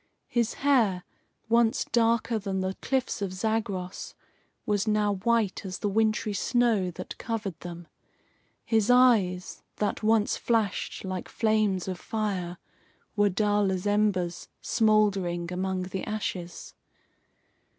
His hair, once darker than the cliffs of Zagros, was now white as the wintry snow that covered them. His eyes, that once flashed like flames of fire, were dull as embers smouldering among the ashes.